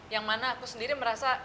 yang mana aku sendiri merasa